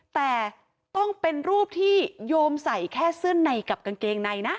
แต่ต้องเป็นรูปที่โยมใส่แค่เสื้อในกับกางเกงในนะ